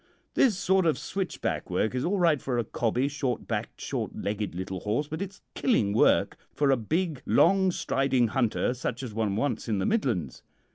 This sort of switchback work is all right for a cobby, short backed, short legged little horse, but it is killing work for a big, long striding hunter such as one wants in the Midlands.